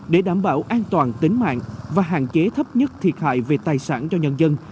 để đảm bảo an toàn tính mạng và hạn chế thấp nhất thiệt hại về tài sản cho nhân dân